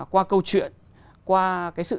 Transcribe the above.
qua câu chuyện qua cái sự